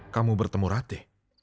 kamu bertemu rati